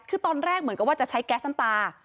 คือตอนแรกเหมือนกับว่าจะใช้แก๊สน้ำตา